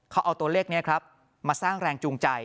เขาเอาตัวเลขนี้ครับมาสร้างแรงจูงใจ